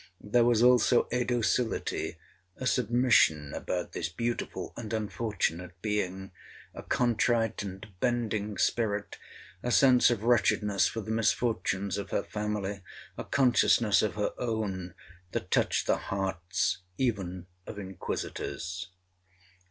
There was also a docility, a submission, about this beautiful and unfortunate being—a contrite and bending spirit—a sense of wretchedness for the misfortunes of her family—a consciousness of her own, that touched the hearts even of inquisitors.